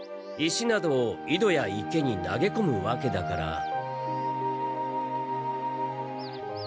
石などを井戸や池に投げこむわけだから。